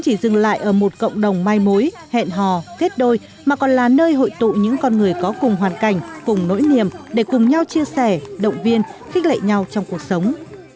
chỉ dừng lại ở một cộng đồng mai mối hẹn hò kết đôi mà còn là nơi hội tụ những con người có cùng hoàn cảnh cùng nỗi niềm để cùng nhau chia sẻ động viên khích lệ nhau trong cuộc sống